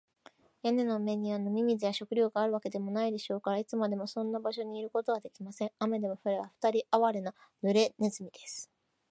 屋根の上には飲み水や食料があるわけでもないでしょうから、いつまでもそんな場所にいることはできません。雨でも降れば、ふたりはあわれな、ぬれネズミです。